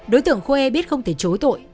đối tượng khuê biết không thể chối tội